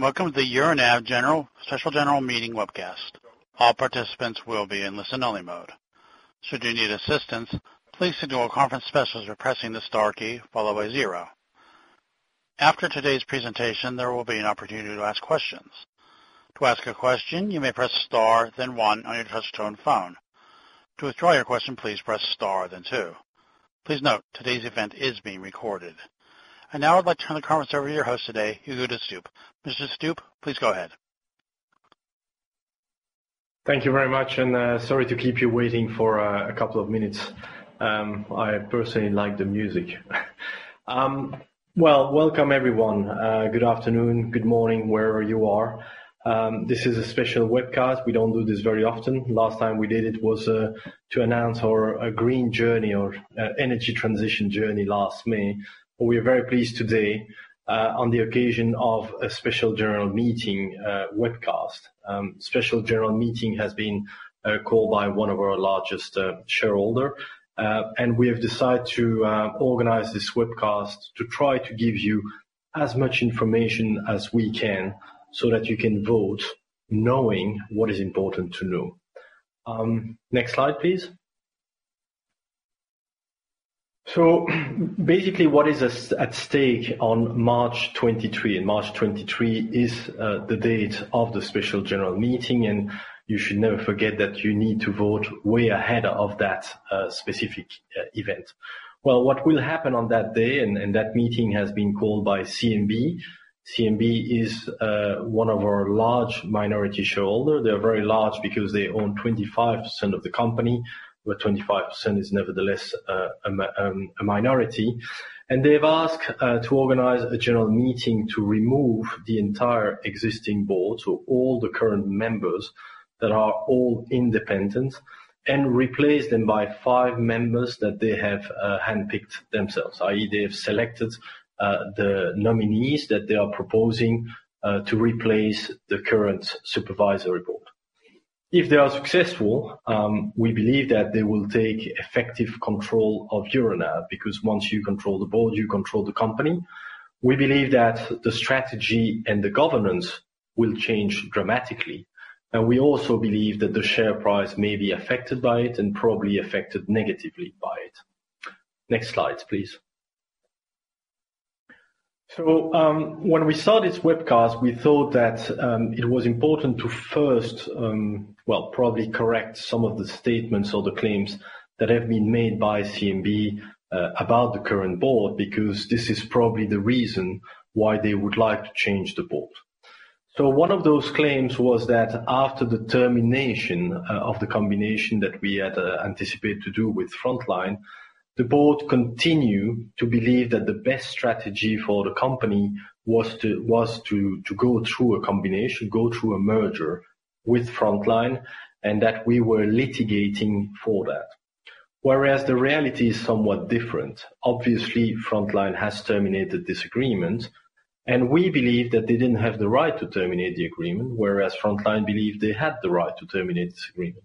Welcome to the Euronav General, Special General Meeting webcast. All participants will be in listen only mode. Should you need assistance, please signal a conference specialist by pressing the star key, followed by zero. After today's presentation, there will be an opportunity to ask questions. To ask a question, you may press star then one on your touch-tone phone. To withdraw your question, please press star then two. Please note, today's event is being recorded. Now I'd like to turn the conference over to your host today, Hugo de Stoop. Mr. Stoop, please go ahead. Thank you very much, sorry to keep you waiting for two minutes. I personally like the music. Well, welcome everyone. Good afternoon, good morning, wherever you are. This is a special webcast. We don't do this very often. Last time we did it was to announce our green journey or energy transition journey last May. We are very pleased today on the occasion of a special general meeting webcast. Special general meeting has been called by one of our largest shareholder. We have decided to organize this webcast to try to give you as much information as we can so that you can vote knowing what is important to know. Next slide, please. Basically, what is at stake on March 23, and March 23 is the date of the special general meeting, and you should never forget that you need to vote way ahead of that specific event. What will happen on that day, and that meeting has been called by CMB. CMB is one of our large minority shareholder. They are very large because they own 25% of the company, but 25% is nevertheless a minority. They've asked to organize a general meeting to remove the entire existing board. All the current members that are all independent and replace them by five members that they have hand-picked themselves, i.e, they have selected the nominees that they are proposing to replace the current supervisory board. If they are successful, we believe that they will take effective control of Euronav, because once you control the board, you control the company. We believe that the strategy and the governance will change dramatically. We also believe that the share price may be affected by it and probably affected negatively by it. Next slide, please. When we started this webcast, we thought that it was important to first, well, probably correct some of the statements or the claims that have been made by CMB about the current board, because this is probably the reason why they would like to change the board. One of those claims was that after the termination of the combination that we had anticipated to do with Frontline, the board continued to believe that the best strategy for the company was to go through a combination, go through a merger with Frontline, and that we were litigating for that. Whereas the reality is somewhat different. Obviously, Frontline has terminated this agreement, and we believe that they didn't have the right to terminate the agreement, whereas Frontline believed they had the right to terminate this agreement.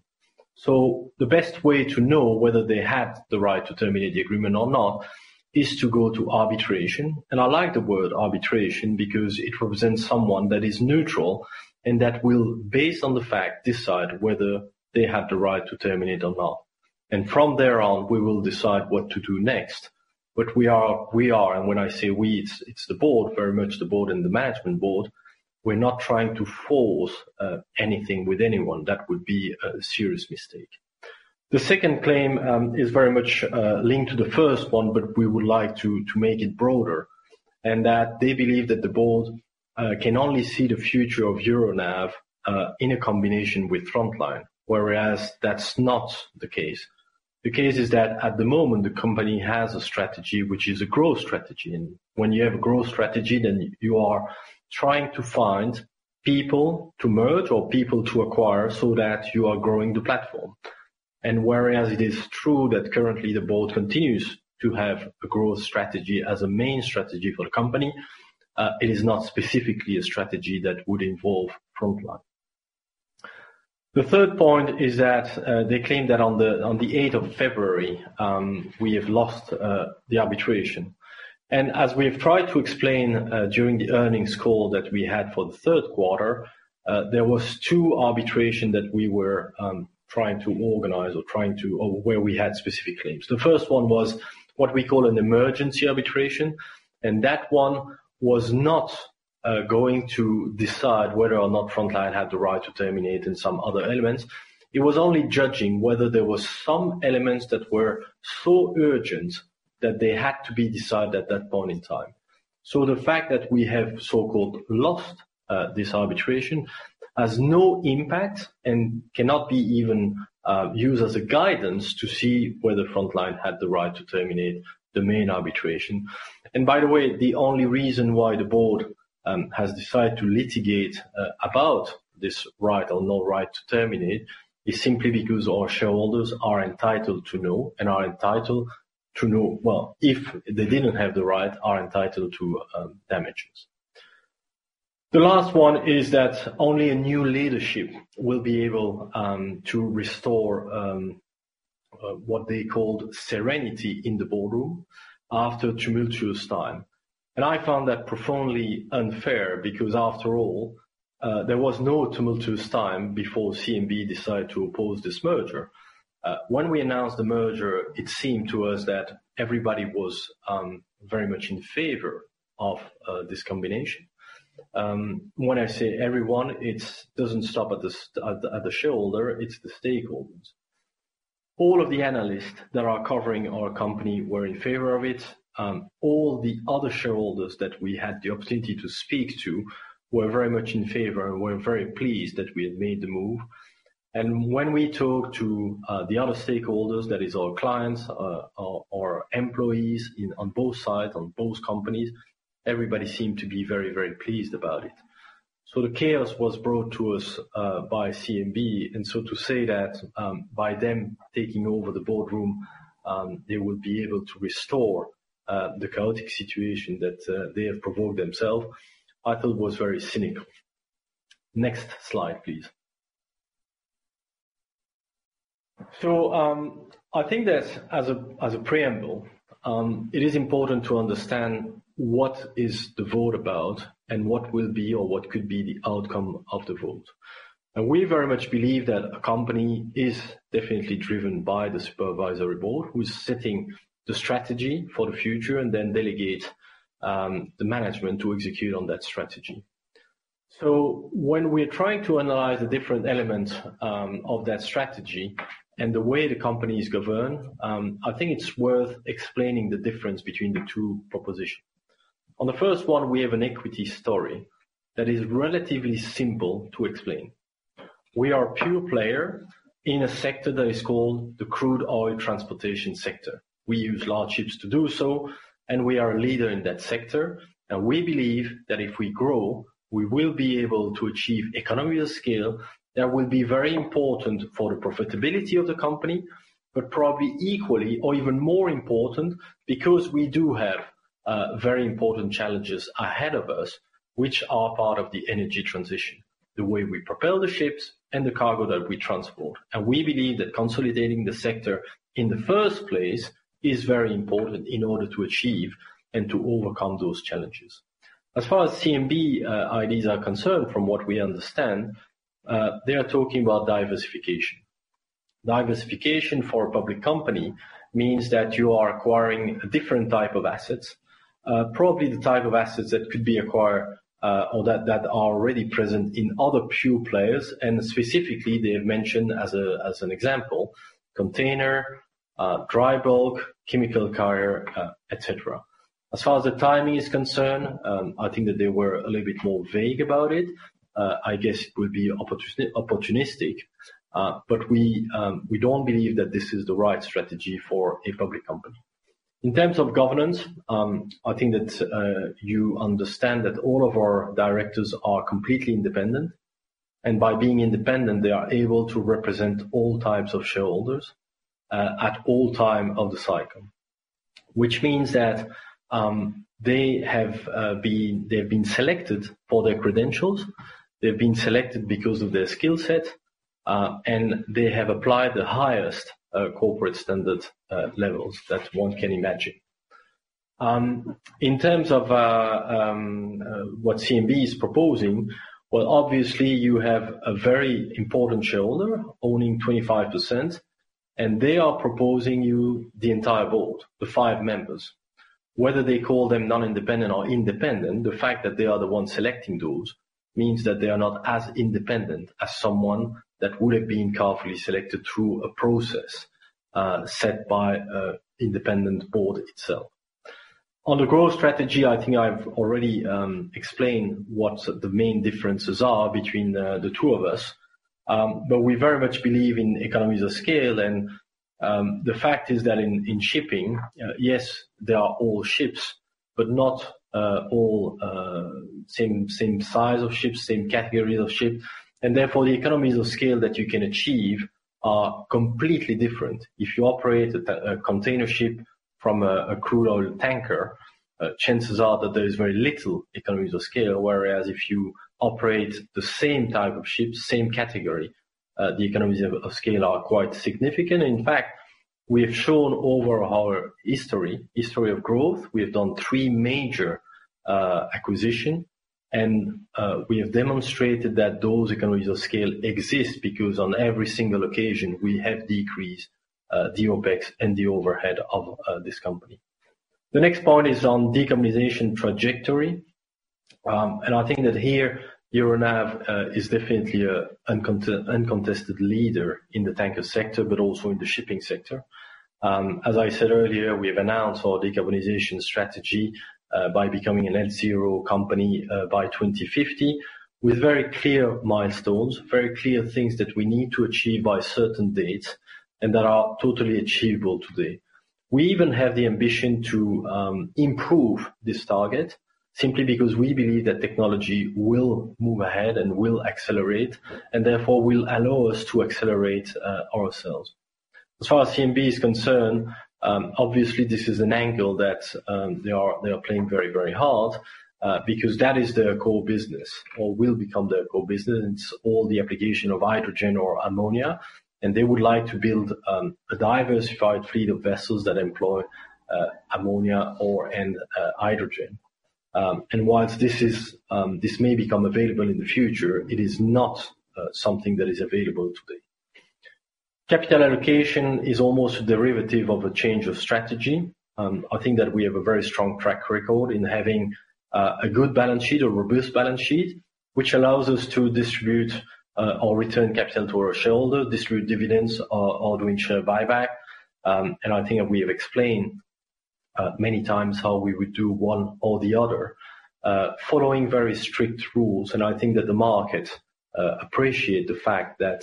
The best way to know whether they had the right to terminate the agreement or not is to go to arbitration. I like the word arbitration because it represents someone that is neutral and that will, based on the fact, decide whether they have the right to terminate or not. From there on, we will decide what to do next. We are, and when I say we, it's the board, very much the board and the management board. We're not trying to force anything with anyone. That would be a serious mistake. The second claim is very much linked to the first one, but we would like to make it broader, and that they believe that the board can only see the future of Euronav in a combination with Frontline, whereas that's not the case. The case is that at the moment, the company has a strategy which is a growth strategy. When you have a growth strategy, then you are trying to find people to merge or people to acquire so that you are growing the platform. Whereas it is true that currently the board continues to have a growth strategy as a main strategy for the company, it is not specifically a strategy that would involve Frontline. The third point is that, they claim that on the 8th of February, we have lost the arbitration. As we have tried to explain, during the earnings call that we had for the third quarter, there was two arbitration that we were trying to organize or trying to, or where we had specific claims. The first one was what we call an emergency arbitration, and that one was not going to decide whether or not Frontline had the right to terminate and some other elements. It was only judging whether there were some elements that were so urgent that they had to be decided at that point in time. The fact that we have so-called lost this arbitration has no impact and cannot be even used as a guidance to see whether Frontline had the right to terminate the main arbitration. By the way, the only reason why the board has decided to litigate about this right or no right to terminate is simply because our shareholders are entitled to know and are entitled to know, well, if they didn't have the right, are entitled to damages. The last one is that only a new leadership will be able to restore what they called serenity in the boardroom after a tumultuous time. I found that profoundly unfair because after all, there was no tumultuous time before CMB decided to oppose this merger. When we announced the merger, it seemed to us that everybody was very much in favor of this combination. When I say everyone, it's doesn't stop at the shareholder, it's the stakeholders. All of the analysts that are covering our company were in favor of it. All the other shareholders that we had the opportunity to speak to were very much in favor and were very pleased that we had made the move. When we talked to the other stakeholders, that is our clients, our employees in, on both sides, on both companies, everybody seemed to be very, very pleased about it. The chaos was brought to us by CMB, and so to say that by them taking over the boardroom, they would be able to restore the chaotic situation that they have provoked themselves, I thought was very cynical. Next slide, please. I think that as a, as a preamble, it is important to understand what is the vote about and what will be or what could be the outcome of the vote. We very much believe that a company is definitely driven by the supervisory board who's setting the strategy for the future and then delegate the management to execute on that strategy. When we're trying to analyze the different elements of that strategy and the way the company is governed, I think it's worth explaining the difference between the two propositions. On the first one, we have an equity story that is relatively simple to explain. We are a pure player in a sector that is called the crude oil transportation sector. We use large ships to do so, and we are a leader in that sector. We believe that if we grow, we will be able to achieve economies of scale that will be very important for the profitability of the company, but probably equally or even more important, because we do have very important challenges ahead of us, which are part of the energy transition, the way we propel the ships and the cargo that we transport. We believe that consolidating the sector in the first place is very important in order to achieve and to overcome those challenges. As far as CMB ideas are concerned, from what we understand, they are talking about diversification. Diversification for a public company means that you are acquiring different type of assets, probably the type of assets that could be acquired, or that are already present in other pure players. Specifically, they have mentioned as a, as an example, container, dry bulk, chemical carrier, et cetera. As far as the timing is concerned, I think that they were a little bit more vague about it. I guess it would be opportunistic. We don't believe that this is the right strategy for a public company. In terms of governance, I think that you understand that all of our directors are completely independent, and by being independent, they are able to represent all types of shareholders at all time of the cycle. Which means that they have been selected for their credentials. They've been selected because of their skill set, and they have applied the highest corporate standard levels that one can imagine. In terms of what CMB is proposing, well, obviously you have a very important shareholder owning 25%, and they are proposing you the entire board, the five members. Whether they call them non-independent or independent, the fact that they are the ones selecting those means that they are not as independent as someone that would have been carefully selected through a process, set by a independent board itself. On the growth strategy, I think I've already explained what the main differences are between the two of us. But we very much believe in economies of scale, and the fact is that in shipping, yes, they are all ships, but not all same size of ships, same categories of ships. Therefore, the economies of scale that you can achieve are completely different. If you operate a container ship from a crude oil tanker, chances are that there is very little economies of scale, whereas if you operate the same type of ships, same category, the economies of scale are quite significant. In fact, we have shown over our history of growth, we have done three major acquisition, and we have demonstrated that those economies of scale exist because on every single occasion, we have decreased the OpEx and the overhead of this company. The next point is on decarbonization trajectory. I think that here, Euronav is definitely a uncontested leader in the tanker sector, but also in the shipping sector. As I said earlier, we have announced our decarbonization strategy by becoming a net zero company by 2050, with very clear milestones, very clear things that we need to achieve by certain dates, and that are totally achievable today. We even have the ambition to improve this target simply because we believe that technology will move ahead and will accelerate, and therefore will allow us to accelerate ourselves. As far as CMB is concerned, obviously this is an angle that they are playing very, very hard because that is their core business or will become their core business, all the application of hydrogen or ammonia. They would like to build a diversified fleet of vessels that employ ammonia or, and, hydrogen. Whilst this may become available in the future, it is not something that is available today. Capital allocation is almost a derivative of a change of strategy. I think that we have a very strong track record in having a good balance sheet, a robust balance sheet, which allows us to distribute or return capital to our shareholder, distribute dividends, or doing share buyback. I think that we have explained many times how we would do one or the other following very strict rules. I think that the markets appreciate the fact that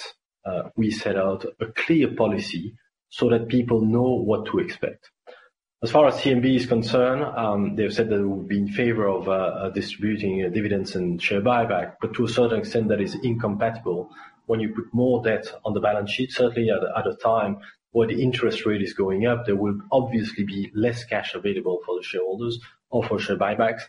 we set out a clear policy so that people know what to expect. As far as CMB is concerned, they've said that it would be in favor of distributing dividends and share buyback, but to a certain extent, that is incompatible. When you put more debt on the balance sheet, certainly at a time where the interest rate is going up, there will obviously be less cash available for the shareholders or for share buybacks.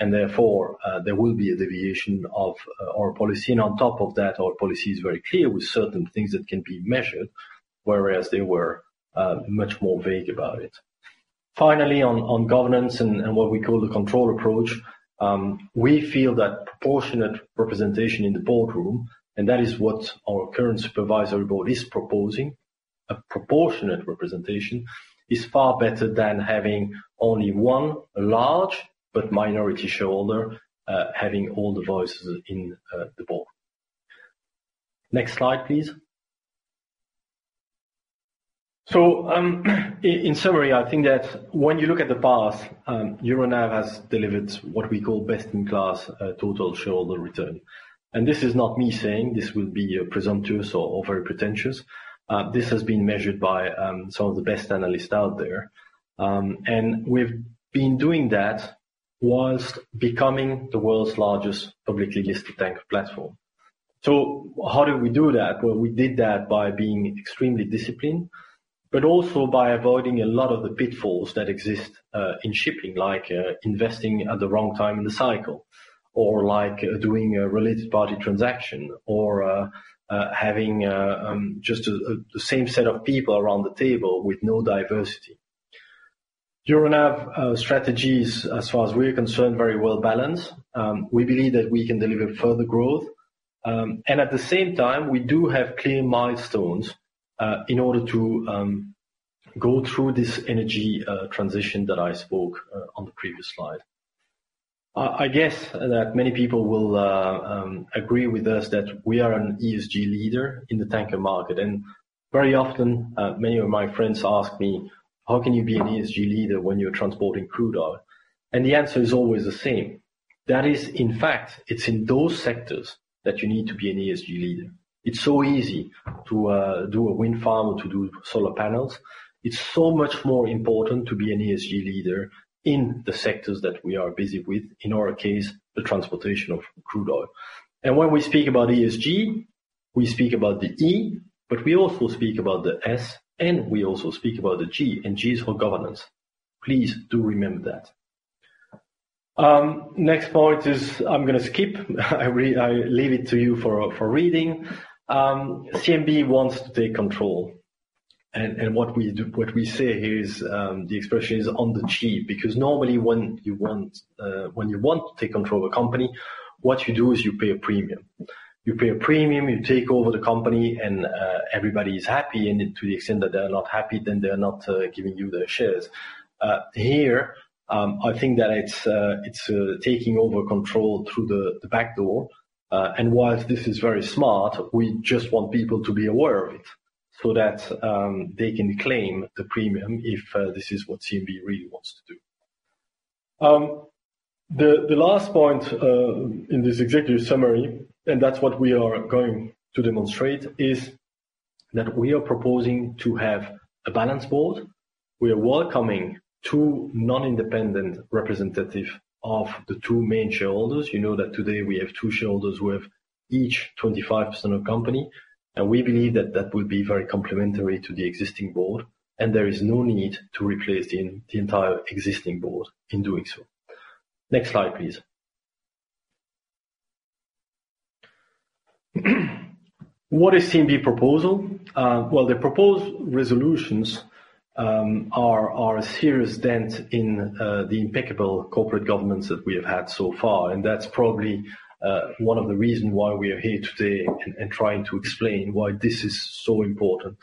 Therefore, there will be a deviation of our policy. On top of that, our policy is very clear with certain things that can be measured, whereas they were much more vague about it. Finally, on governance and what we call the control approach, we feel that proportionate representation in the boardroom, and that is what our current supervisory board is proposing. A proportionate representation is far better than having only one large but minority shareholder, having all the voices in the board. Next slide, please. In summary, I think that when you look at the past, Euronav has delivered what we call best-in-class total shareholder return. This is not me saying this would be presumptuous or very pretentious. This has been measured by some of the best analysts out there. We've been doing that whilst becoming the world's largest publicly listed tanker platform. How do we do that? We did that by being extremely disciplined, but also by avoiding a lot of the pitfalls that exist in shipping, like investing at the wrong time in the cycle, or like doing a related party transaction, or having just the same set of people around the table with no diversity. Euronav strategies as far as we're concerned, very well balanced. We believe that we can deliver further growth. At the same time, we do have clear milestones in order to go through this energy transition that I spoke on the previous slide. I guess that many people will agree with us that we are an ESG leader in the tanker market. Very often, many of my friends ask me, "How can you be an ESG leader when you're transporting crude oil?" The answer is always the same. That is, in fact, it's in those sectors that you need to be an ESG leader. It's so easy to do a wind farm or to do solar panels. It's so much more important to be an ESG leader in the sectors that we are busy with, in our case, the transportation of crude oil. When we speak about ESG, we speak about the E, but we also speak about the S, and we also speak about the G, and G is for governance. Please do remember that. Next point is I'm gonna skip. I leave it to you for reading. CMB wants to take control. What we say here is, the expression is on the cheap, because normally, when you want to take control of a company, what you do is you pay a premium. You pay a premium, you take over the company, and everybody is happy. To the extent that they're not happy, then they're not giving you their shares. Here, I think that it's taking over control through the back door. Whilst this is very smart, we just want people to be aware of it so that they can claim the premium if this is what CMB really wants to do. The last point in this executive summary, that's what we are going to demonstrate, is that we are proposing to have a balanced board. We are welcoming two non-independent representative of the two main shareholders. You know that today we have two shareholders with each 25% of company, we believe that that will be very complementary to the existing board, there is no need to replace the entire existing board in doing so. Next slide, please. What is CMB proposal? Well, the proposed resolutions are a serious dent in the impeccable corporate governance that we have had so far. That's probably one of the reason why we are here today and trying to explain why this is so important.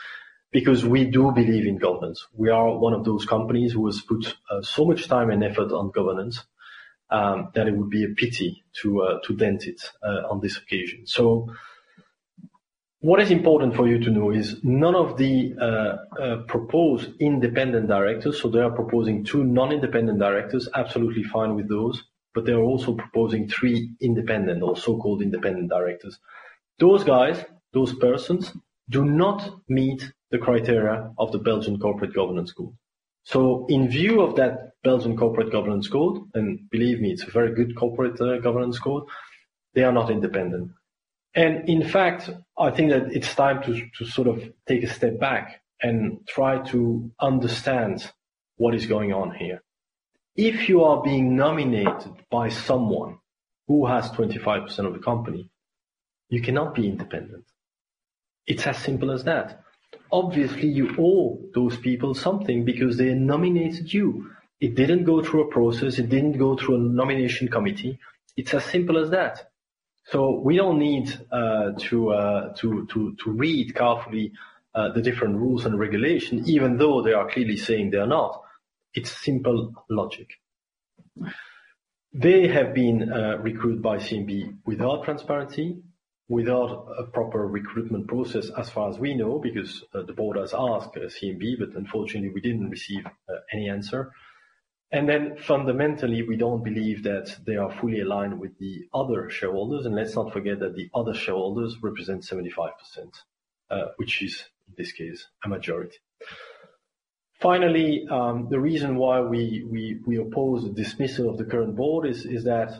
We do believe in governance. We are one of those companies who has put so much time and effort on governance that it would be a pity to dent it on this occasion. What is important for you to know is none of the proposed independent directors, so they are proposing two non-independent directors, absolutely fine with those, but they are also proposing three independent or so-called independent directors. Those guys, those persons, do not meet the criteria of the Belgian Corporate Governance Code. In view of that Belgian Corporate Governance Code, and believe me, it's a very good corporate governance code, they are not independent. In fact, I think that it's time to sort of take a step back and try to understand what is going on here. If you are being nominated by someone who has 25% of the company, you cannot be independent. It's as simple as that. Obviously, you owe those people something because they nominated you. It didn't go through a process. It didn't go through a nomination committee. It's as simple as that. We don't need to read carefully the different rules and regulations, even though they are clearly saying they are not. It's simple logic. They have been recruited by CMB without transparency, without a proper recruitment process as far as we know, because the board has asked CMB, but unfortunately, we didn't receive any answer. Fundamentally, we don't believe that they are fully aligned with the other shareholders. Let's not forget that the other shareholders represent 75%, which is, in this case, a majority. Finally, the reason why we oppose the dismissal of the current board is that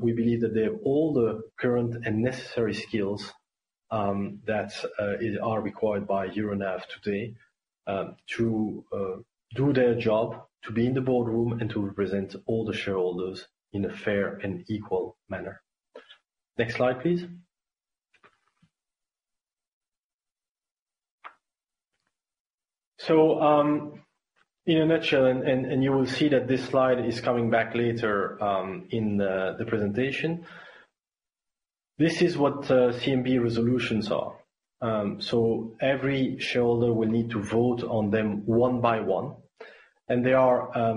we believe that they have all the current and necessary skills that are required by Euronav today to do their job, to be in the boardroom, and to represent all the shareholders in a fair and equal manner. Next slide, please. In a nutshell, and you will see that this slide is coming back later in the presentation. This is what CMB resolutions are. Every shareholder will need to vote on them one by one, and they are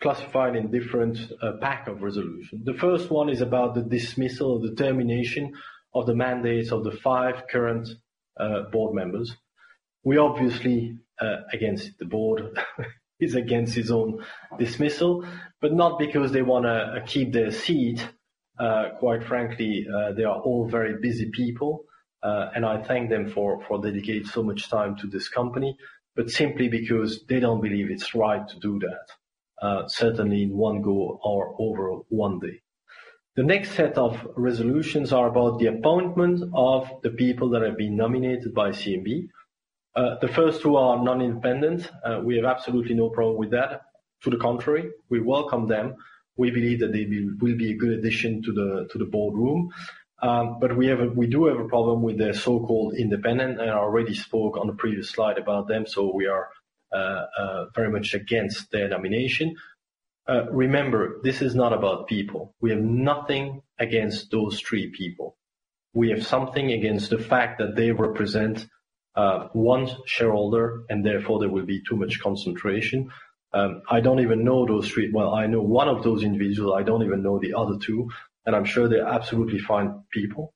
classified in different pack of resolution. The first one is about the dismissal, the termination of the mandates of the five current board members. We obviously, against the board is against his own dismissal, but not because they wanna keep their seat. Quite frankly, they are all very busy people, and I thank them for dedicating so much time to this company, but simply because they don't believe it's right to do that, certainly in one go or over one day. The next set of resolutions are about the appointment of the people that have been nominated by CMB. The first two are non-independent. We have absolutely no problem with that. To the contrary, we welcome them. We believe that they will be a good addition to the boardroom. We do have a problem with the so-called independent. I already spoke on the previous slide about them, so we are very much against their nomination. Remember, this is not about people. We have nothing against those three people. We have something against the fact that they represent one shareholder, and therefore there will be too much concentration. I don't even know those three... Well, I know one of those individuals. I don't even know the other two, and I'm sure they're absolutely fine people.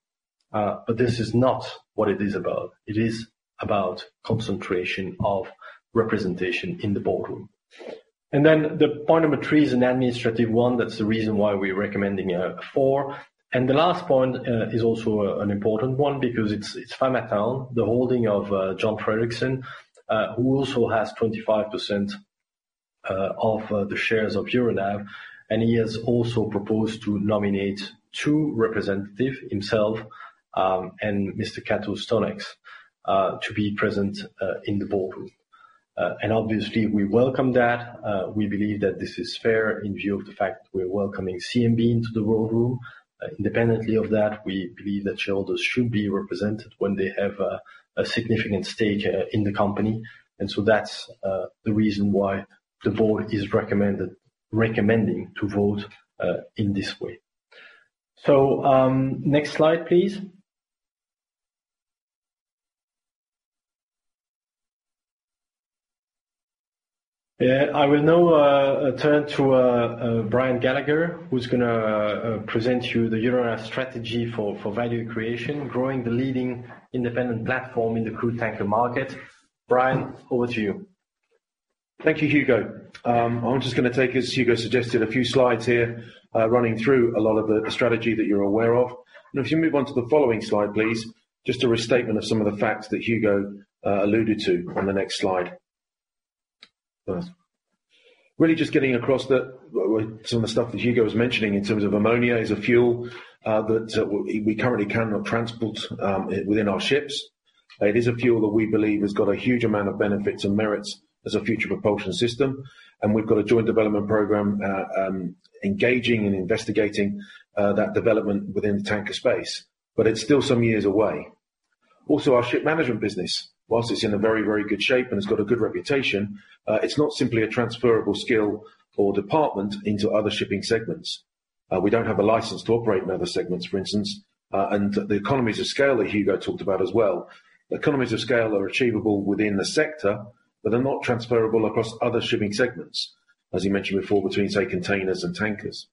This is not what it is about. It is about concentration of representation in the boardroom. The point number three is an administrative one. That's the reason why we're recommending four. The last point is also an important one because it's Famatown, the holding of John Fredriksen, who also has 25% of the shares of Euronav, and he has also proposed to nominate two representative, himself, and Mr. Cato Stonex to be present in the boardroom. Obviously we welcome that. We believe that this is fair in view of the fact we're welcoming CMB into the boardroom. Independently of that, we believe that shareholders should be represented when they have a significant stake in the company. That's the reason why the board is recommending to vote in this way. Next slide, please. Yeah. I will now turn to Brian Gallagher, who's gonna present you the Euronav strategy for value creation, growing the leading independent platform in the crude tanker market. Brian, over to you. Thank you, Hugo. I'm just gonna take, as Hugo suggested, a few slides here, running through a lot of the strategy that you're aware of. If you move on to the following slide, please, just a restatement of some of the facts that Hugo alluded to on the next slide. Really just getting across the some of the stuff that Hugo was mentioning in terms of ammonia as a fuel, that we currently cannot transport within our ships. It is a fuel that we believe has got a huge amount of benefits and merits as a future propulsion system, and we've got a joint development program, engaging and investigating that development within the tanker space, but it's still some years away. Our ship management business, whilst it's in a very, very good shape and it's got a good reputation, it's not simply a transferable skill or department into other shipping segments. We don't have a license to operate in other segments, for instance. The economies of scale that Hugo talked about as well. Economies of scale are achievable within the sector, but they're not transferable across other shipping segments, as you mentioned before, between, say, containers and tankers.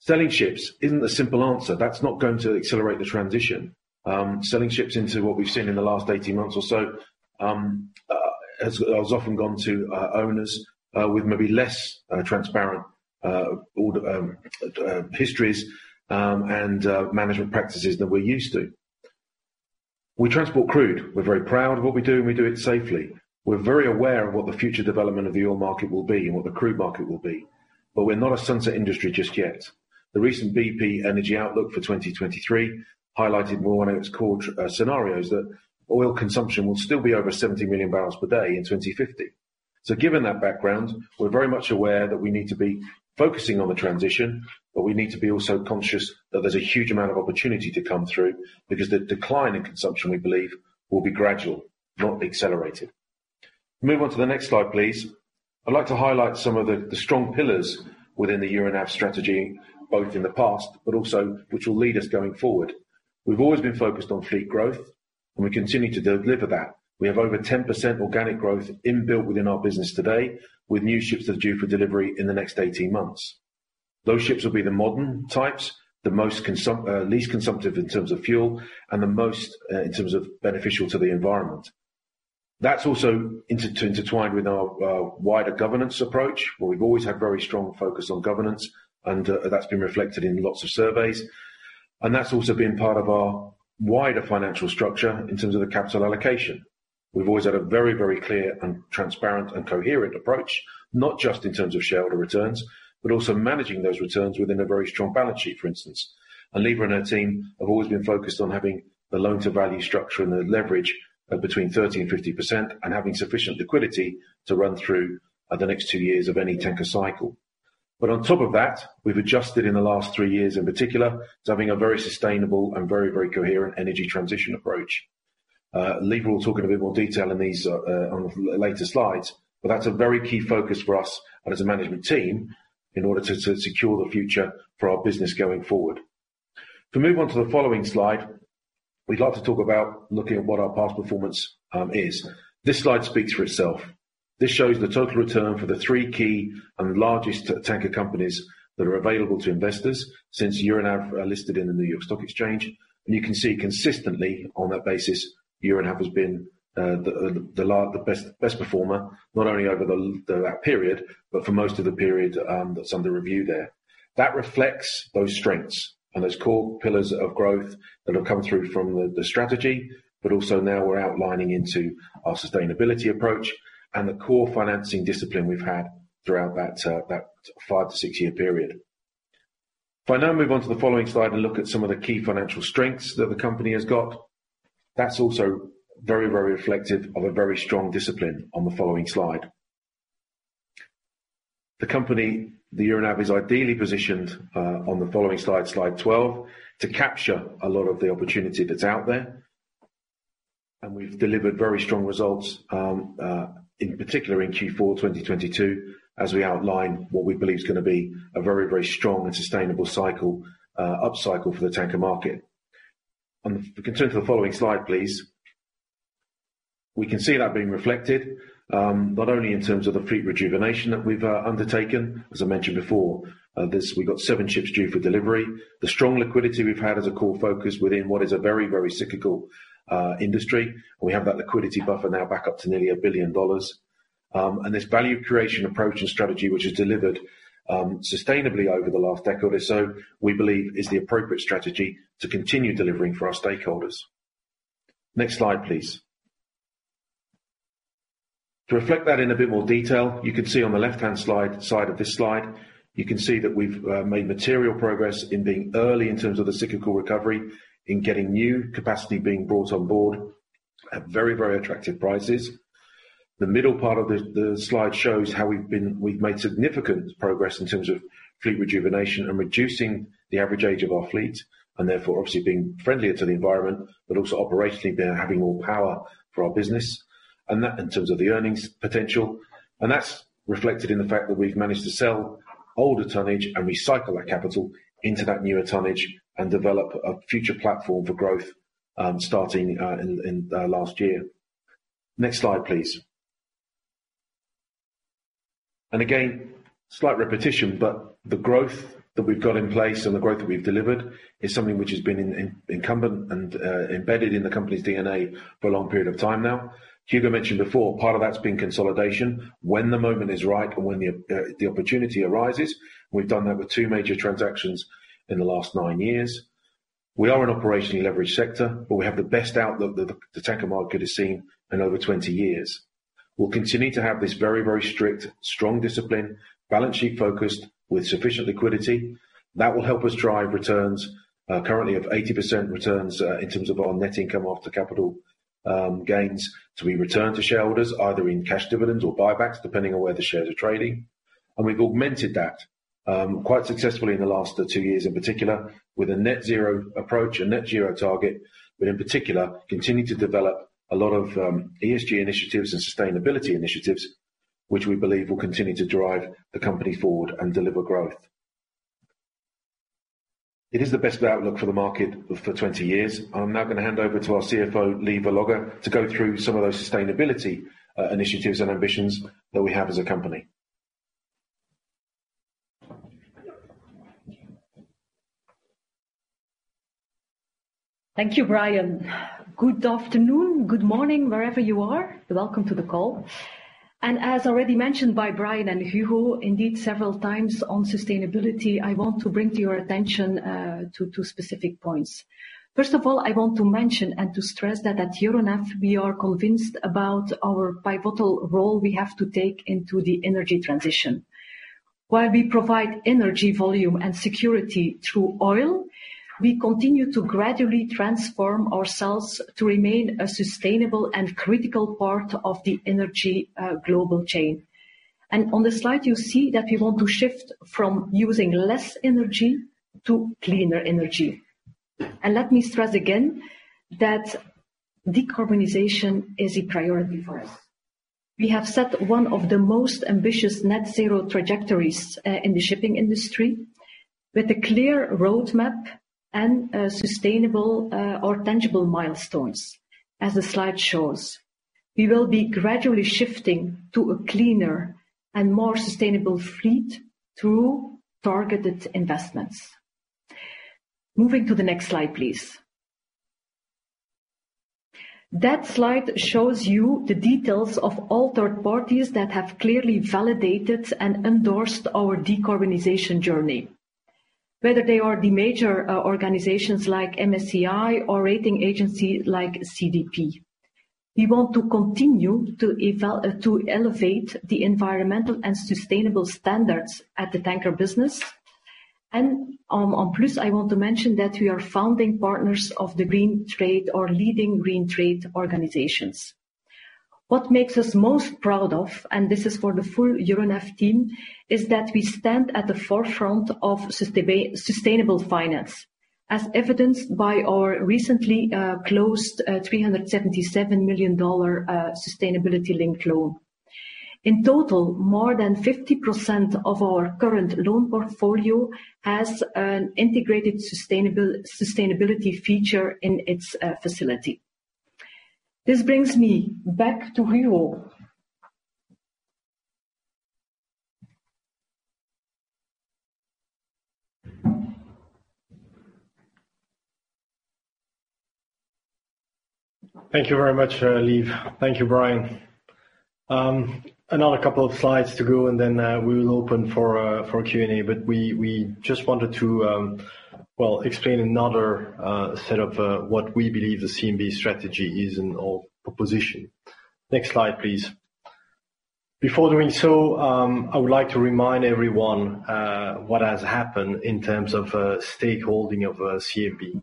Selling ships isn't the simple answer. That's not going to accelerate the transition. Selling ships into what we've seen in the last 18 months or so, has often gone to owners with maybe less transparent board histories and management practices than we're used to. We transport crude. We're very proud of what we do. We do it safely. We're very aware of what the future development of the oil market will be and what the crude market will be. We're not a sunset industry just yet. The recent BP Energy Outlook for 2023 highlighted more on its core scenarios that oil consumption will still be over 70 million barrels per day in 2050. Given that background, we're very much aware that we need to be focusing on the transition, but we need to be also conscious that there's a huge amount of opportunity to come through because the decline in consumption, we believe, will be gradual, not accelerated. Move on to the next slide, please. I'd like to highlight some of the strong pillars within the Euronav strategy, both in the past, also which will lead us going forward. We've always been focused on fleet growth, we continue to deliver that. We have over 10% organic growth inbuilt within our business today, with new ships that are due for delivery in the next 18 months. Those ships will be the modern types, least consumptive in terms of fuel and the most in terms of beneficial to the environment. That's also intertwined with our wider governance approach, where we've always had very strong focus on governance, that's been reflected in lots of surveys. That's also been part of our wider financial structure in terms of the capital allocation. We've always had a very, very clear and transparent and coherent approach, not just in terms of shareholder returns, but also managing those returns within a very strong balance sheet, for instance. Lieve and her team have always been focused on having the loan-to-value structure and the leverage of between 30% and 50% and having sufficient liquidity to run through the next two years of any tanker cycle. But on top of that, we've adjusted in the last three years in particular, to having a very sustainable and very, very coherent energy transition approach. Lieve will talk in a bit more detail in these later slides, but that's a very key focus for us and as a management team in order to secure the future for our business going forward. If we move on to the following slide, we'd like to talk about looking at what our past performance is. This slide speaks for itself. This shows the total return for the three key and largest tanker companies that are available to investors since Euronav listed in the New York Stock Exchange. You can see consistently on that basis, Euronav has been the best performer, not only over that period, but for most of the period that's under review there. That reflects those strengths and those core pillars of growth that have come through from the strategy, but also now we're outlining into our sustainability approach and the core financing discipline we've had throughout that five, six year period. If I now move on to the following slide and look at some of the key financial strengths that the company has got. That's also very, very reflective of a very strong discipline on the following slide. The company, Euronav, is ideally positioned on the following slide 12, to capture a lot of the opportunity that's out there. We've delivered very strong results in particular in Q4 2022, as we outline what we believe is gonna be a very, very strong and sustainable cycle, upcycle for the tanker market. If we can turn to the following slide, please. We can see that being reflected not only in terms of the fleet rejuvenation that we've undertaken, as I mentioned before. We've got seven ships due for delivery. The strong liquidity we've had is a core focus within what is a very, very cyclical industry. We have that liquidity buffer now back up to nearly $1 billion. This value creation approach and strategy, which is delivered sustainably over the last decade or so, we believe is the appropriate strategy to continue delivering for our stakeholders. Next slide, please. To reflect that in a bit more detail, you can see on the left-hand slide, side of this slide, you can see that we've made material progress in being early in terms of the cyclical recovery, in getting new capacity being brought on board at very, very attractive prices. The middle part of the slide shows how we've been... We've made significant progress in terms of fleet rejuvenation and reducing the average age of our fleet, and therefore, obviously being friendlier to the environment, but also operationally there having more power for our business, and that in terms of the earnings potential. That's reflected in the fact that we've managed to sell older tonnage and recycle that capital into that newer tonnage and develop a future platform for growth, starting last year. Next slide, please. Again, slight repetition, but the growth that we've got in place and the growth that we've delivered is something which has been incumbent and embedded in the company's DNA for a long period of time now. Hugo mentioned before, part of that's been consolidation. When the moment is right and when the opportunity arises, we've done that with two major transactions in the last nine years. We are an operationally leveraged sector, but we have the best outlook that the tanker market has seen in over 20 years. We'll continue to have this very strict, strong discipline, balance sheet-focused, with sufficient liquidity. That will help us drive returns, currently of 80% returns, in terms of our net income after capital gains to be returned to shareholders, either in cash dividends or buybacks, depending on where the shares are trading. We've augmented that, quite successfully in the last, two years in particular with a net zero approach and net zero target, but in particular, continue to develop a lot of, ESG initiatives and sustainability initiatives, which we believe will continue to drive the company forward and deliver growth. It is the best outlook for the market for 20 years. I'm now gonna hand over to our CFO, Lieve Logghe, to go through some of those sustainability, initiatives and ambitions that we have as a company. Thank you, Brian. Good afternoon, good morning, wherever you are. Welcome to the call. As already mentioned by Brian and Hugo, indeed several times on sustainability, I want to bring to your attention two specific points. First of all, I want to mention and to stress that at Euronav, we are convinced about our pivotal role we have to take into the energy transition. While we provide energy volume and security through oil, we continue to gradually transform ourselves to remain a sustainable and critical part of the energy global chain. On the slide, you see that we want to shift from using less energy to cleaner energy. Let me stress again that decarbonization is a priority for us. We have set one of the most ambitious net zero trajectories in the shipping industry with a clear roadmap and a sustainable or tangible milestones, as the slide shows. We will be gradually shifting to a cleaner and more sustainable fleet through targeted investments. Moving to the next slide, please. That slide shows you the details of all third parties that have clearly validated and endorsed our decarbonization journey, whether they are the major organizations like MSCI or rating agency like CDP. We want to continue to elevate the environmental and sustainable standards at the tanker business. On plus, I want to mention that we are founding partners of the green trade or leading green trade organizations. What makes us most proud of, this is for the full Euronav team, is that we stand at the forefront of sustainable finance, as evidenced by our recently closed $377 million sustainability-linked loan. In total, more than 50% of our current loan portfolio has an integrated sustainability feature in its facility. This brings me back to Hugo. Thank you very much, Lieve. Thank you, Brian. Another couple of slides to go, and then we will open for Q&A. We just wanted to, well, explain another set of what we believe the CMB strategy is and/or proposition. Next slide, please. Before doing so, I would like to remind everyone what has happened in terms of stakeholding of CMB.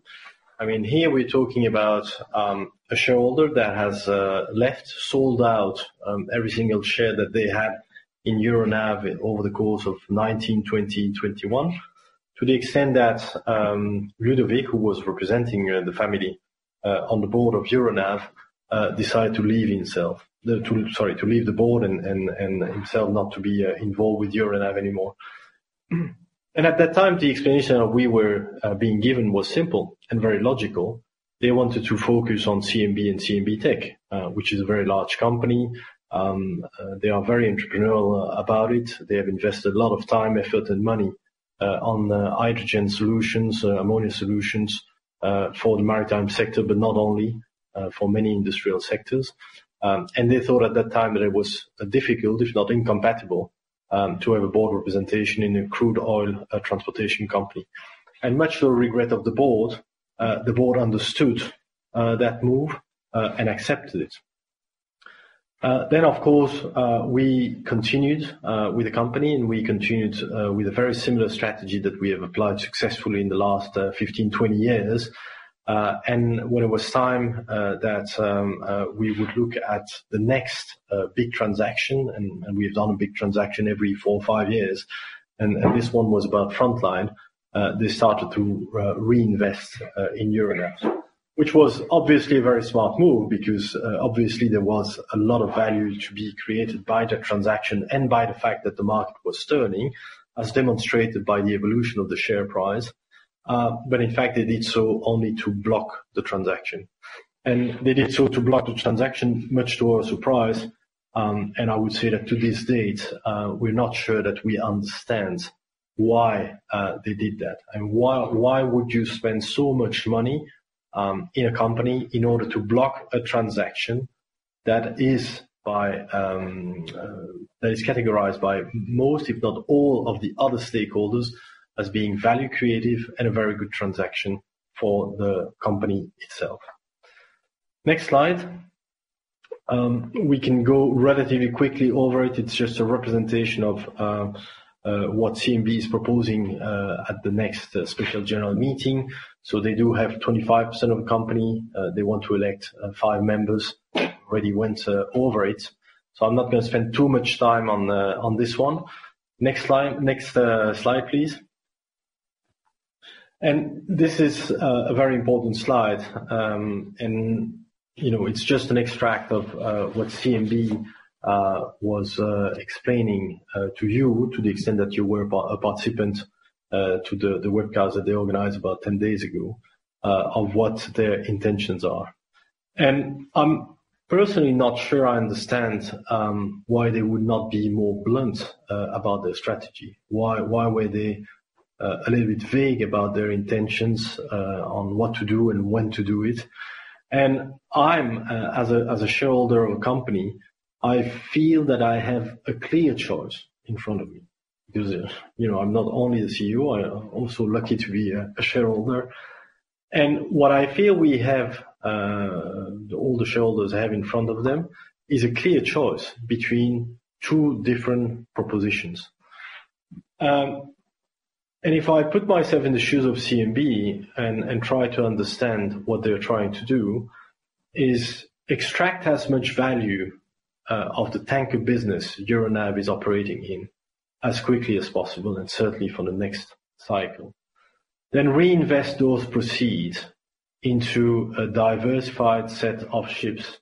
I mean, here we're talking about a shareholder that has left, sold out every single share that they had in Euronav over the course of 2019, 2020, 2021. To the extent that Ludovic, who was representing the family on the board of Euronav, decided to leave himself. Sorry, to leave the board and himself not to be involved with Euronav anymore. At that time, the explanation we were being given was simple and very logical. They wanted to focus on CMB and CMB.TECH, which is a very large company. They are very entrepreneurial about it. They have invested a lot of time, effort, and money on the hydrogen solutions, ammonia solutions for the maritime sector, but not only for many industrial sectors. They thought at that time that it was difficult, if not incompatible, to have a board representation in a crude oil transportation company. Much to the regret of the board, the board understood that move and accepted it. Of course, we continued with the company, and we continued with a very similar strategy that we have applied successfully in the last 15, 20 years. When it was time, that we would look at the next big transaction, and we have done a big transaction every four or five years. This one was about Frontline. They started to reinvest in Euronav, which was obviously a very smart move because, obviously there was a lot of value to be created by that transaction and by the fact that the market was turning, as demonstrated by the evolution of the share price. In fact, they did so only to block the transaction. They did so to block the transaction, much to our surprise, and I would say that to this date, we're not sure that we understand why they did that, and why would you spend so much money in a company in order to block a transaction that is by, that is categorized by most, if not all, of the other stakeholders as being value creative and a very good transaction for the company itself. Next slide. We can go relatively quickly over it. It's just a representation of what CMB is proposing at the next special general meeting. They do have 25% of the company. They want to elect five members. Already went over it, so I'm not gonna spend too much time on this one. Next slide. Next, slide, please. This is a very important slide. You know, it's just an extract of what CMB was explaining to you to the extent that you were a participant to the webcast that they organized about 10 days ago of what their intentions are. I'm personally not sure I understand why they would not be more blunt about their strategy. Why were they a little bit vague about their intentions on what to do and when to do it. I'm as a shareholder of a company, I feel that I have a clear choice in front of me because, you know, I'm not only a CEO, I am also lucky to be a shareholder. What I feel we have, all the shareholders have in front of them is a clear choice between two different propositions. If I put myself in the shoes of CMB and try to understand what they're trying to do, is extract as much value of the tanker business Euronav is operating in as quickly as possible, and certainly for the next cycle. Reinvest those proceeds into a diversified set of ships.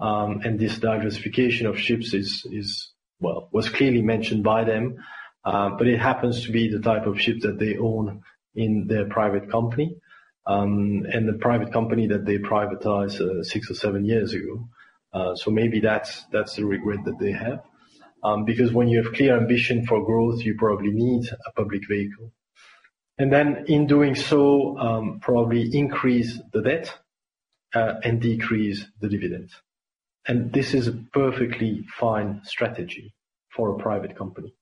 This diversification of ships is... Well, was clearly mentioned by them, but it happens to be the type of ship that they own in their private company. The private company that they privatized, six or seven years ago. Maybe that's the regret that they have. When you have clear ambition for growth, you probably need a public vehicle. In doing so, probably increase the debt, and decrease the dividends. This is a perfectly fine strategy for a private company.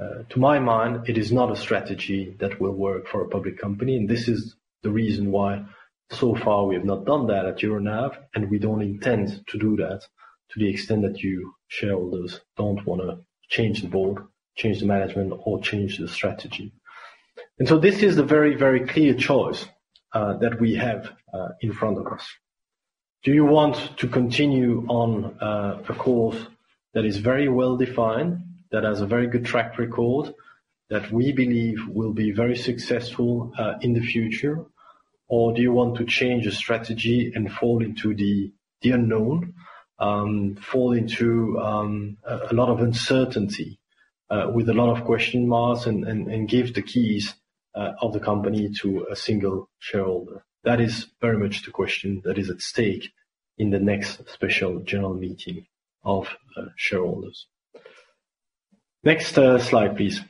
To my mind, it is not a strategy that will work for a public company, and this is the reason why so far we have not done that at Euronav, and we don't intend to do that to the extent that you shareholders don't wanna change the board, change the management, or change the strategy. This is a very, very clear choice that we have in front of us. Do you want to continue on a course that is very well-defined, that has a very good track record, that we believe will be very successful in the future? Do you want to change the strategy and fall into the unknown, fall into a lot of uncertainty, with a lot of question marks and give the keys of the company to a single shareholder? That is very much the question that is at stake in the next Special General Meeting of shareholders. Next slide, please.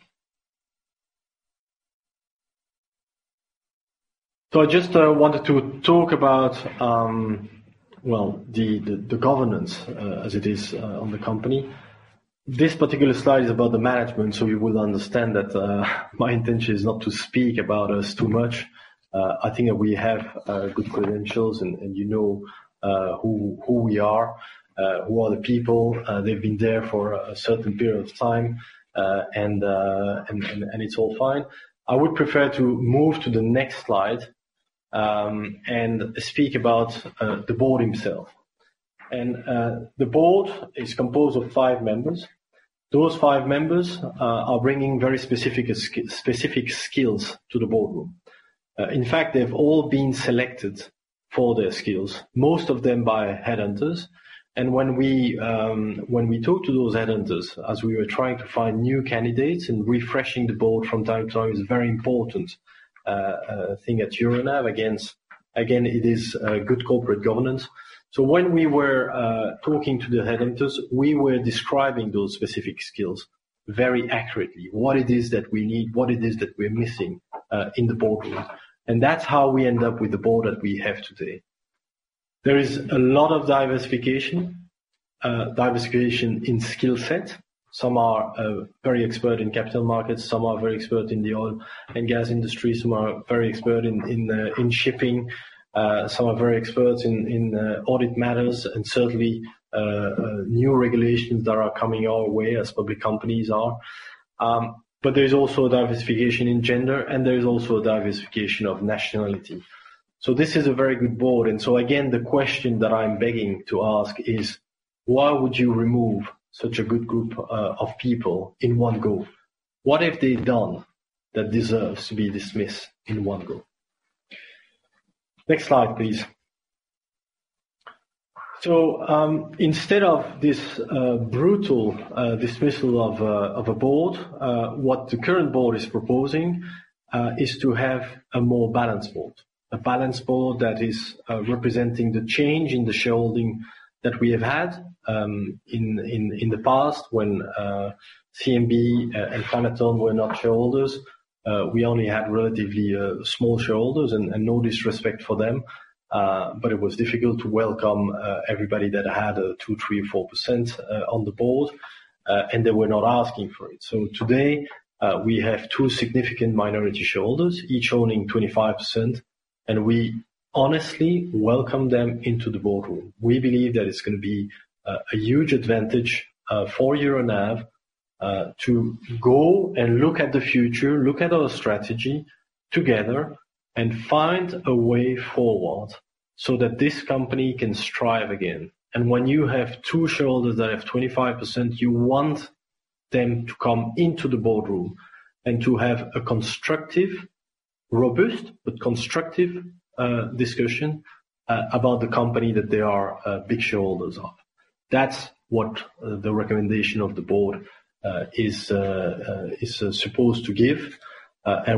I just wanted to talk about, well, the governance as it is on the company. This particular slide is about the management, so you will understand that my intention is not to speak about us too much. I think that we have good credentials and you know, who we are, who are the people. They've been there for a certain period of time, and it's all fine. I would prefer to move to the next slide and speak about the board himself. The board is composed of five members. Those five members are bringing very specific skills to the boardroom. In fact, they've all been selected for their skills, most of them by headhunters. When we talk to those headhunters, as we were trying to find new candidates, refreshing the board from time to time is very important thing at Euronav. Again, it is good corporate governance. When we were talking to the headhunters, we were describing those specific skills very accurately. What it is that we need, what it is that we're missing, in the boardroom. That's how we end up with the board that we have today. There is a lot of diversification in skill set. Some are very expert in capital markets, some are very expert in the oil and gas industry, some are very expert in shipping. Some are very expert in audit matters and certainly, new regulations that are coming our way as public companies are. There's also diversification in gender, and there's also diversification of nationality. This is a very good board. Again, the question that I'm begging to ask is, why would you remove such a good group of people in one go? What have they done that deserves to be dismissed in one go? Next slide, please. Instead of this brutal dismissal of a board, what the current board is proposing is to have a more balanced board. A balanced board that is representing the change in the shareholding that we have had in the past when CMB and Famatown were not shareholders. We only had relatively small shareholders and no disrespect for them, but it was difficult to welcome everybody that had 2%, 3%, 4% on the board, and they were not asking for it. Today, we have two significant minority shareholders, each owning 25%, and we honestly welcome them into the boardroom. We believe that it's gonna be a huge advantage for Euronav to go and look at the future, look at our strategy together, and find a way forward so that this company can strive again. When you have two shareholders that have 25%, you want them to come into the boardroom and to have a constructive, robust, but constructive discussion about the company that they are big shareholders of. That's what the recommendation of the board is supposed to give.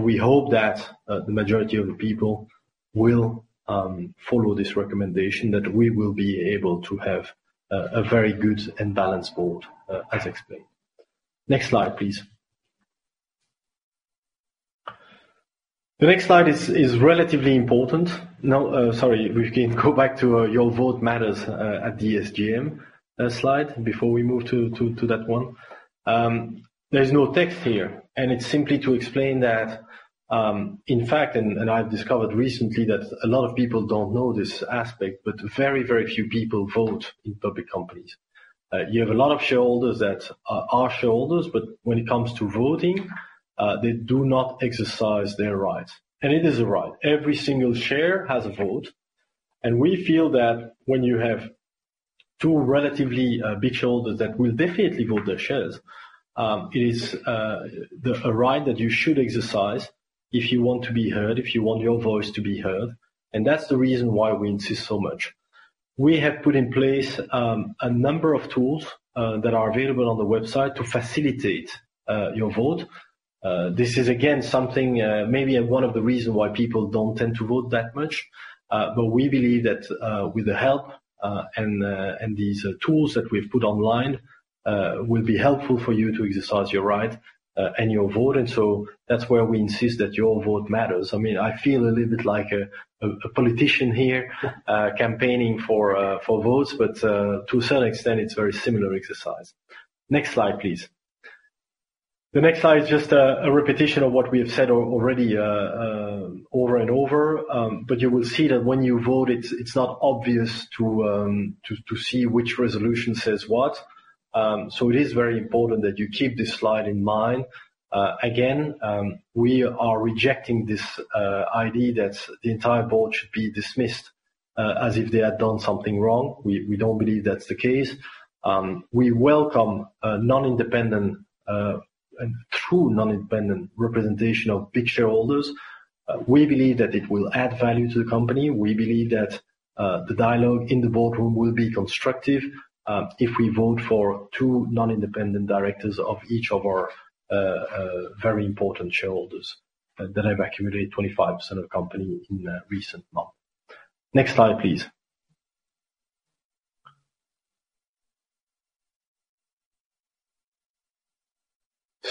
We hope that the majority of the people will follow this recommendation, that we will be able to have a very good and balanced board as explained. Next slide, please. The next slide is relatively important. No, sorry, we can go back to your vote matters at the SGM slide before we move to that one. There's no text here, and it's simply to explain that, in fact, and I've discovered recently that a lot of people don't know this aspect, but very, very few people vote in public companies. You have a lot of shareholders that are shareholders, but when it comes to voting, they do not exercise their rights. It is a right. Every single share has a vote. We feel that when you have two relatively big shareholders that will definitely vote their shares, it is the, a right that you should exercise if you want to be heard, if you want your voice to be heard. That's the reason why we insist so much. We have put in place a number of tools that are available on the website to facilitate your vote. This is again, something, maybe one of the reasons why people don't tend to vote that much. We believe that with the help and these tools that we've put online, will be helpful for you to exercise your right and your vote. That's where we insist that your vote matters. I mean, I feel a little bit like a politician here, campaigning for votes, but to a certain extent, it's very similar exercise. Next slide, please. The next slide is just a repetition of what we have said already over and over. You will see that when you vote, it's not obvious to see which resolution says what. It is very important that you keep this slide in mind. Again, we are rejecting this idea that the entire board should be dismissed as if they had done something wrong. We don't believe that's the case. We welcome a non-independent, a true non-independent representation of big shareholders. We believe that it will add value to the company. We believe that the dialogue in the boardroom will be constructive if we vote for two non-independent directors of each of our very important shareholders that have accumulated 25% of company in the recent months. Next slide, please.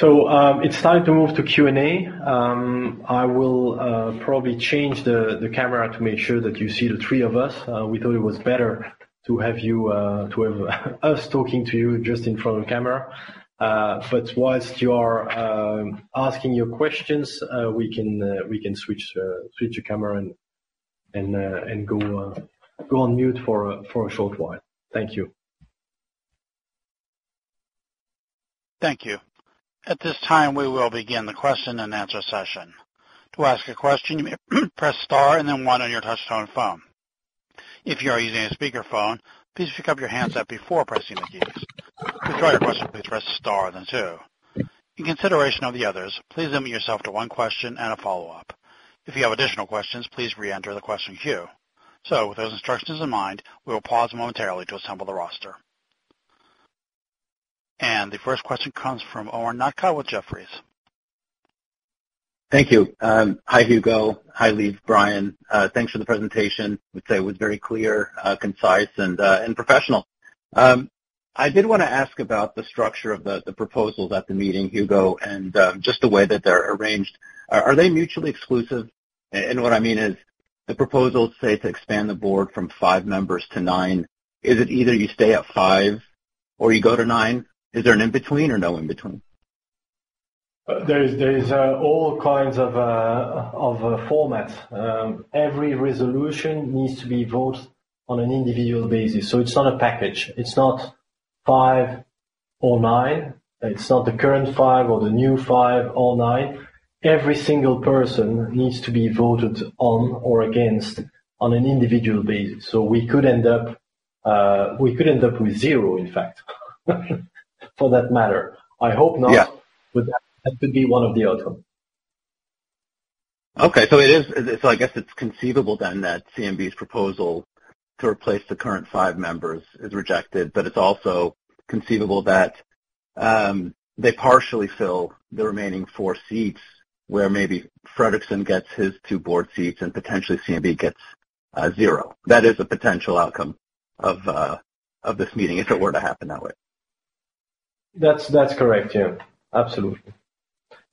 It's time to move to Q&A. I will probably change the camera to make sure that you see the three of us. We thought it was better to have you to have us talking to you just in front of the camera. Whilst you're asking your questions, we can switch the camera and go on mute for a short while. Thank you. Thank you. At this time, we will begin the question and answer session. To ask a question, you may press star and then one on your touchtone phone. If you are using a speakerphone, please pick up your handset before pressing the keys. To withdraw your question, please press star then two. In consideration of the others, please limit yourself to one question and a follow-up. If you have additional questions, please reenter the question queue. With those instructions in mind, we will pause momentarily to assemble the roster. The first question comes from Omar Nokta with Jefferies. Thank you. Hi, Hugo. Hi, Liv, Brian. Thanks for the presentation. Would say it was very clear, concise and professional. I did wanna ask about the structure of the proposals at the meeting, Hugo, and just the way that they're arranged. Are they mutually exclusive? What I mean is, the proposals say to expand the board from 5 members to 9. Is it either you stay at 5 or you go to 9? Is there an in-between or no in-between? There is all kinds of formats. Every resolution needs to be voted on an individual basis. It's not a package. It's not five or nine. It's not the current five or the new five or nine. Every single person needs to be voted on or against on an individual basis. We could end up with zero, in fact, for that matter. I hope not. Yeah. That could be one of the outcome. Okay. I guess it's conceivable then that CMB's proposal to replace the current five members is rejected. It's also conceivable that they partially fill the remaining four seats where maybe Fredriksen gets his two board seats and potentially CMB gets zero. That is a potential outcome of this meeting if it were to happen that way. That's correct. Yeah. Absolutely.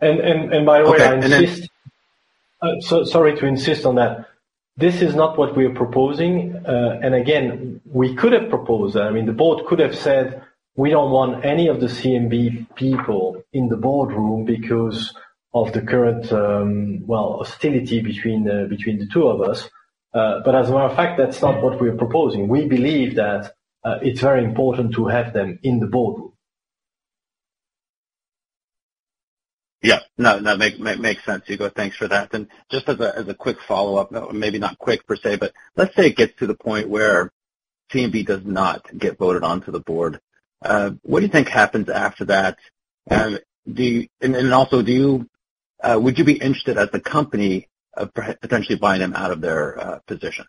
Okay. I insist. Sorry to insist on that. This is not what we're proposing. Again, we could have proposed that. I mean, the board could have said, "We don't want any of the CMB people in the boardroom because of the current, well, hostility between the two of us." As a matter of fact, that's not what we're proposing. We believe that it's very important to have them in the boardroom. Yeah. No, make sense, Hugo. Thanks for that. Just as a, as a quick follow-up, maybe not quick per se, but let's say it gets to the point where CMB does not get voted onto the board. What do you think happens after that? Do you... And also, do you, would you be interested as a company of potentially buying them out of their position?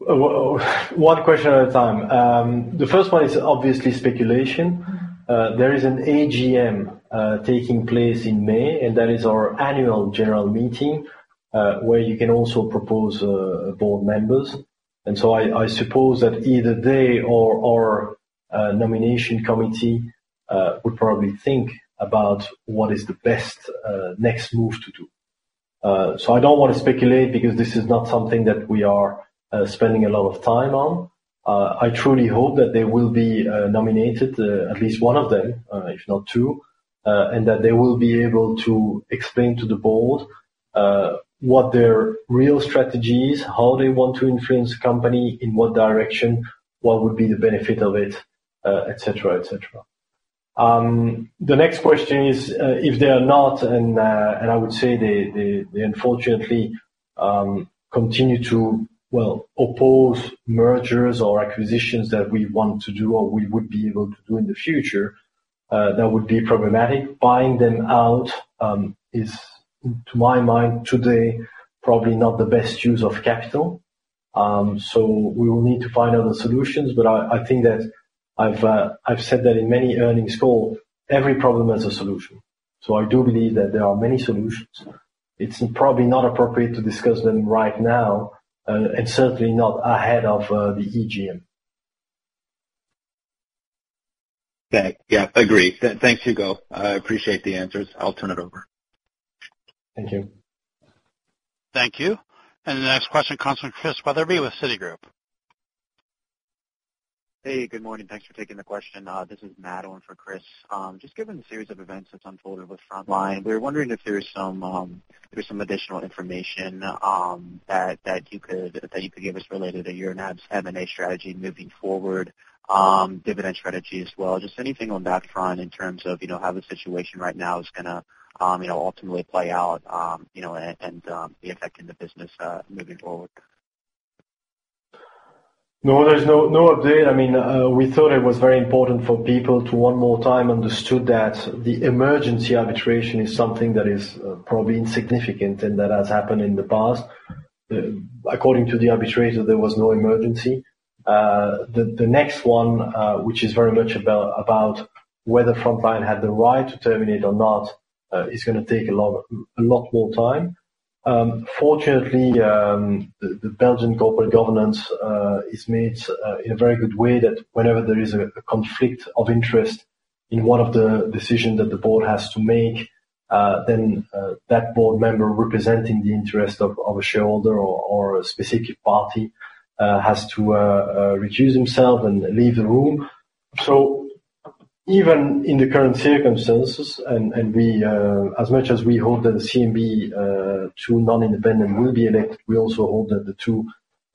One question at a time. The first one is obviously speculation. There is an AGM, taking place in May, and that is our annual general meeting, where you can also propose board members. I suppose that either they or our nomination committee would probably think about what is the best next move to do. I don't wanna speculate because this is not something that we are spending a lot of time on. I truly hope that they will be nominated, at least one of them, if not two, and that they will be able to explain to the board what their real strategy is, how they want to influence the company, in what direction, what would be the benefit of it, et cetera, et cetera. The next question is, if they are not, I would say they unfortunately continue to, well, oppose mergers or acquisitions that we want to do or we would be able to do in the future, that would be problematic. Buying them out is, to my mind today, probably not the best use of capital. We will need to find other solutions. I think that I've said that in many earnings call, every problem has a solution. I do believe that there are many solutions. It's probably not appropriate to discuss them right now, and certainly not ahead of the EGM. Okay. Yeah, agreed. Thanks, Hugo. I appreciate the answers. I'll turn it over. Thank you. Thank you. The next question comes from Chris Wetherbee with Citigroup. Hey, good morning. Thanks for taking the question. This is Matt on for Chris. Just given the series of events that's unfolded with Frontline, we're wondering if there's some additional information that you could give us related to Euronav's M&A strategy moving forward, dividend strategy as well. Just anything on that front in terms of, you know, how the situation right now is gonna, you know, ultimately play out, you know, and the effect in the business moving forward. No, there's no update. I mean, we thought it was very important for people to one more time understood that the emergency arbitration is something that is probably insignificant and that has happened in the past. According to the arbitrator, there was no emergency. The next one, which is very much about whether Frontline had the right to terminate or not, is gonna take a lot more time. Fortunately, the Belgian Corporate Governance Code is made in a very good way that whenever there is a conflict of interest in one of the decisions that the board has to make, then that board member representing the interest of a shareholder or a specific party, has to recuse himself and leave the room. Even in the current circumstances, and we, as much as we hope that the CMB, two non-independent will be elected, we also hope that the two,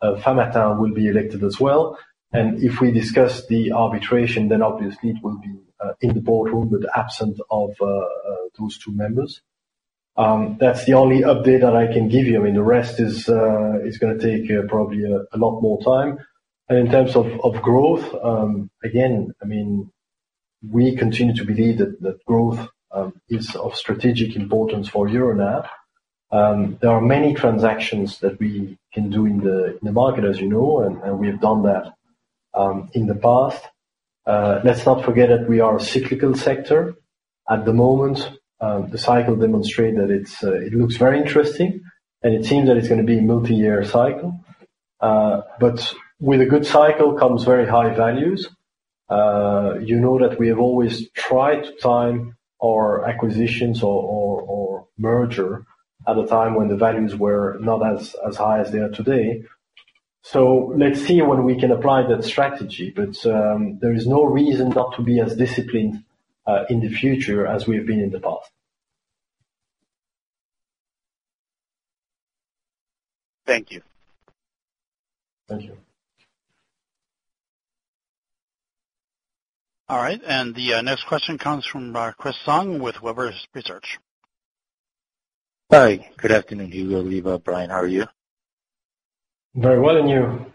Famatown will be elected as well. If we discuss the arbitration, then obviously it will be in the board room with the absence of those two members. That's the only update that I can give you. I mean, the rest is gonna take probably a lot more time. In terms of growth, again, I mean, we continue to believe that that growth is of strategic importance for Euronav. There are many transactions that we can do in the market, as you know, and we have done that in the past. Let's not forget that we are a cyclical sector. At the moment, the cycle demonstrate that it's, it looks very interesting. It seems that it's gonna be multi-year cycle. With a good cycle comes very high values. You know that we have always tried to time our acquisitions or merger at a time when the values were not as high as they are today. Let's see when we can apply that strategy. There is no reason not to be as disciplined, in the future as we have been in the past. Thank you. Thank you. All right. The next question comes from Chris Snyder with Webber Research. Hi. Good afternoon, Hugo, Lieve, Brian. How are you? Very well. You?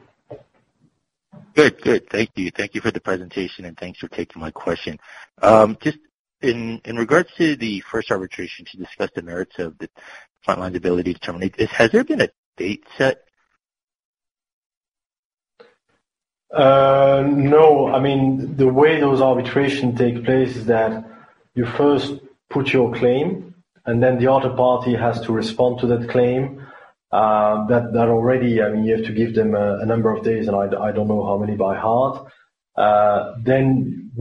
Good. Thank you. Thanks for the presentation. Just in regards to the first arbitration to discuss the merits of the Frontline's ability to terminate, has there been a date set? No. I mean, the way those arbitration take place is that you first put your claim, and then the other party has to respond to that claim. That already, I mean, you have to give them a number of days, and I don't know how many by heart.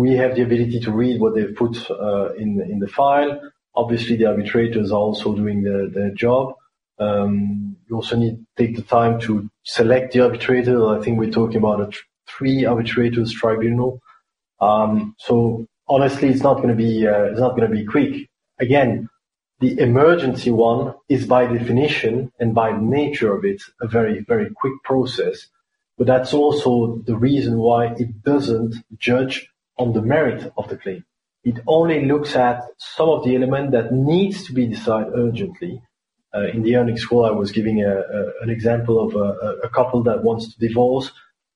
We have the ability to read what they've put in the file. Obviously, the arbitrators are also doing their job. You also need to take the time to select the arbitrator. I think we're talking about a three arbitrator's tribunal. Honestly, it's not gonna be quick. Again, the emergency one is by definition and by nature of it, a very quick process. That's also the reason why it doesn't judge on the merit of the claim. It only looks at some of the element that needs to be decided urgently. In the earnings call, I was giving an example of a couple that wants to divorce,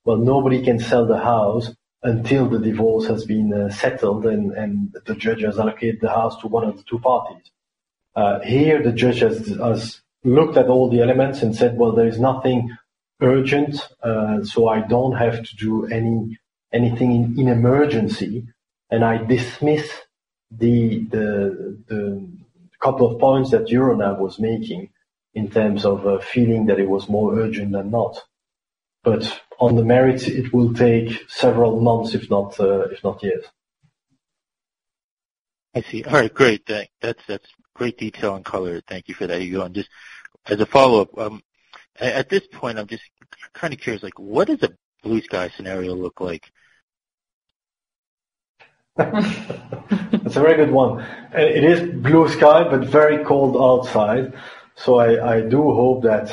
but nobody can sell the house until the divorce has been settled and the judge has allocated the house to one of the two parties. Here the judge looked at all the elements and said, "Well, there is nothing urgent, so I don't have to do anything in emergency, and I dismiss the couple of points that Euronav was making in terms of feeling that it was more urgent than not." On the merits, it will take several months, if not, if not years. I see. All right, great. That's, that's great detail and color. Thank you for that, Hugo. Just as a follow-up, at this point, I'm just kind of curious, like, what does a blue sky scenario look like? That's a very good one. It is blue sky, but very cold outside. I do hope that,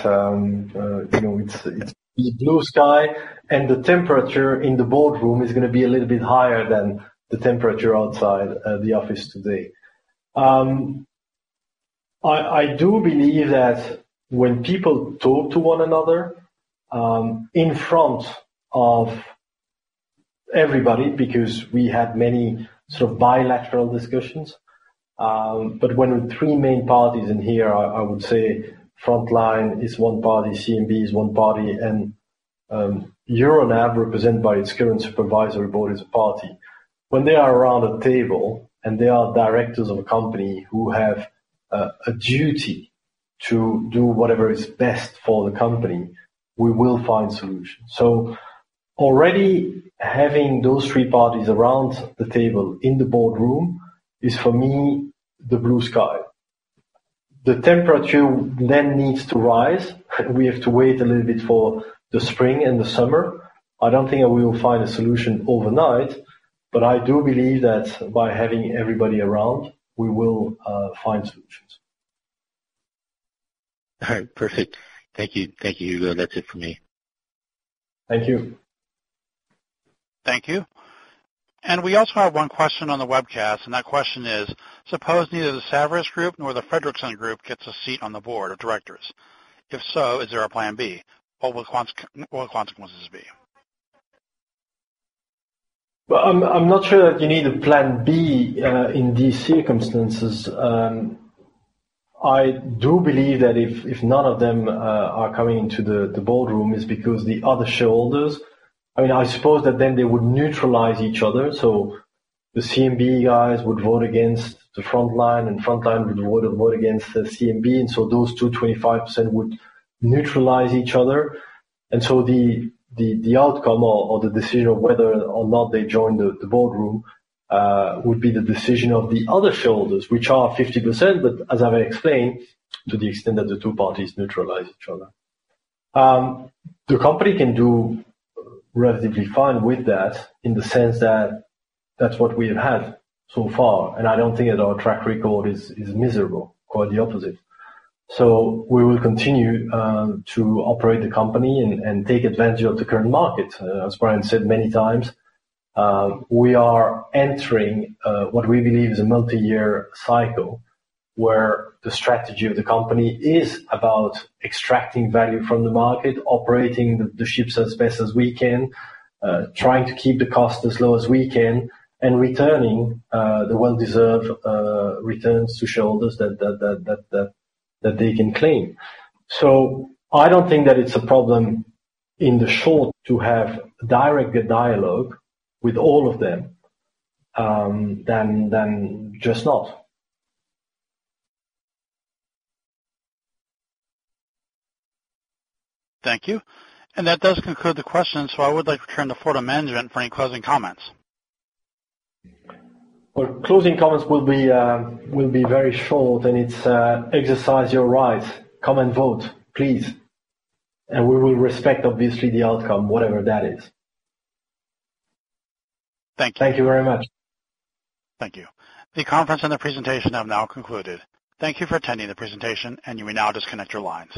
you know, it's blue sky, and the temperature in the boardroom is gonna be a little bit higher than the temperature outside the office today. I do believe that when people talk to one another, in front of everybody, because we had many sort of bilateral discussions, but when the three main parties in here, I would say Frontline is one party, CMB is one party, and Euronav, represented by its current supervisory board, is a party. When they are around the table, and they are directors of a company who have a duty to do whatever is best for the company, we will find solutions. Already having those three parties around the table in the boardroom is, for me, the blue sky. The temperature then needs to rise. We have to wait a little bit for the spring and the summer. I don't think that we will find a solution overnight, I do believe that by having everybody around, we will find solutions. All right. Perfect. Thank you. Thank you, Hugo. That's it for me. Thank you. Thank you. We also have one question on the webcast, and that question is: Suppose neither the Saverys Group nor the Fredriksen Group gets a seat on the board of directors. If so, is there a plan B? What will the consequences be? Well, I'm not sure that you need a plan B in these circumstances. I do believe that if none of them are coming into the boardroom is because the other shareholders... I mean, I suppose that they would neutralize each other. The CMB guys would vote against the Frontline, and Frontline would vote against the CMB. Those two 25% would neutralize each other. The outcome or the decision of whether or not they join the boardroom would be the decision of the other shareholders, which are 50%, as I've explained, to the extent that the two parties neutralize each other. The company can do relatively fine with that in the sense that that's what we have had so far, and I don't think that our track record is miserable, quite the opposite. We will continue to operate the company and take advantage of the current market. As Brian said many times, we are entering what we believe is a multi-year cycle where the strategy of the company is about extracting value from the market, operating the ships as best as we can, trying to keep the cost as low as we can and returning the well-deserved returns to shareholders that they can claim. I don't think that it's a problem in the short to have direct dialogue with all of them than just not. Thank you. That does conclude the questions. I would like to turn to floor to management for any closing comments. Closing comments will be very short, and it's exercise your rights. Come and vote, please. We will respect, obviously, the outcome, whatever that is. Thank you. Thank you very much. Thank you. The conference and the presentation have now concluded. Thank you for attending the presentation, and you may now disconnect your lines.